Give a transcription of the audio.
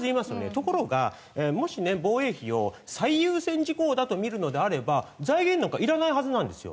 ところがもしね防衛費を最優先事項だと見るのであれば財源なんかいらないはずなんですよ。